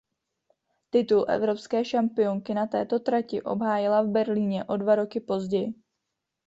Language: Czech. Titul evropské šampionky na této trati obhájila v Berlíně o dva roky později.